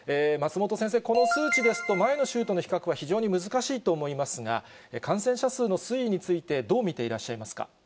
松本先生、この数値ですと、前の週との比較は非常に難しいと思いますが、感染者数の推移について、どう見ていらっしゃいますか。